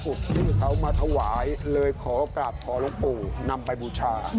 ที่เขามาถวายเลยขอโอกาสขอหลวงปู่นำไปบูชา